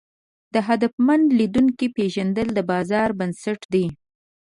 د هدفمن لیدونکو پېژندنه د بازار بنسټ ده.